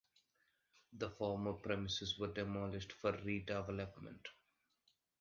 The former premises were demolished for redevelopment.